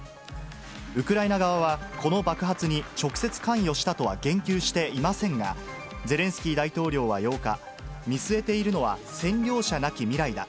ウクライナ側は、この爆発に直接関与したとは言及していませんが、ゼレンスキー大統領は８日、見据えているのは占領者なき未来だ。